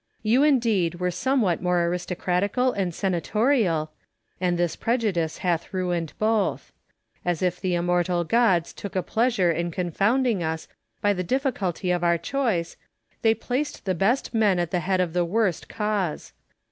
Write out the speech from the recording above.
You indeed were some what more aristocratical and senatorial ; and this prejudice hath ruined both. As if the immortal gods took a pleasure in confounding us by the difficulty of our choice, they placed the best men at the head of the worst cause.